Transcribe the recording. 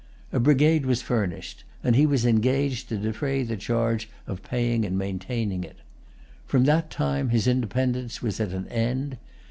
A brigade was furnished; and he engaged to defray the charge of paying and maintaining it. From that time his independence was at an end.